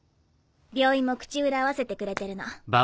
病院も口裏合わせてくれてるの。